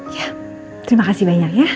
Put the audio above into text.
ya terima kasih banyak ya